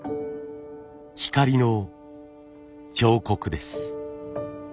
「光の彫刻」です。